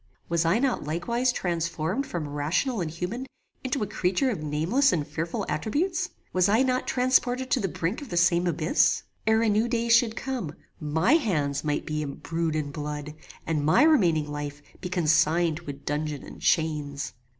Was I not likewise transformed from rational and human into a creature of nameless and fearful attributes? Was I not transported to the brink of the same abyss? Ere a new day should come, my hands might be embrued in blood, and my remaining life be consigned to a dungeon and chains.